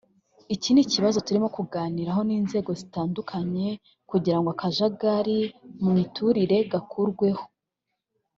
iki ni ikibazo turimo kuganiraho n’inzego zitandukanye kugira ngo akajagari mu miturire gakurweho